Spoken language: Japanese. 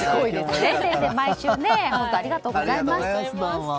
先生、毎週本当ありがとうございます。